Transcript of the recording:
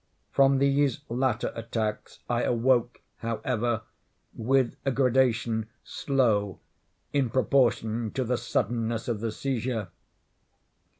From these latter attacks I awoke, however, with a gradation slow in proportion to the suddenness of the seizure.